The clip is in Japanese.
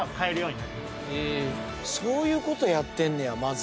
そういうことやってんねやまず。